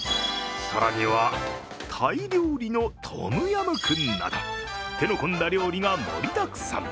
更にはタイ料理のトムヤムクンなど手の込んだ料理が盛りだくさん。